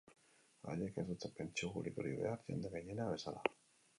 Haiek ez dute pentsio publikorik behar, jende gehienak bezala.